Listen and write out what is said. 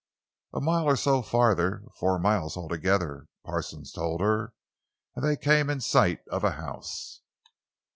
A mile or so farther—four miles altogether, Parsons told her—and they came in sight of a house.